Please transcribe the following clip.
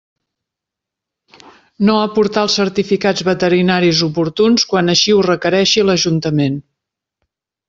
No aportar els certificats veterinaris oportuns quan així ho requereixi l'Ajuntament.